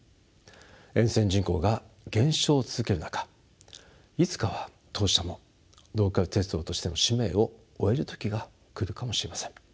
沿線人口が減少を続ける中いつかは当社もローカル鉄道としての使命を終える時が来るかもしれません。